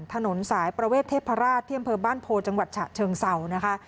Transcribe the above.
ถนนสายประเวทเทพราชที่อำเภอบ้านโพจังหวัดฉะเชิงเศร้านะคะ